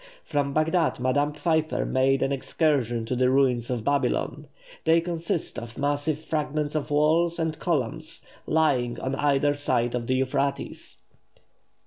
From Bagdad Madame Pfeiffer made an excursion to the ruins of Babylon. They consist of massive fragments of walls and columns, lying on either side of the Euphrates.